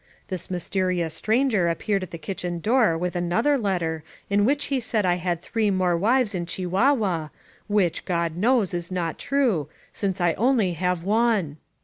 This mys terious stranger appeared at the kitchen door with another letter in which he said I had three more wives in Chihuahua, which, God knows, is not true, since I only have one!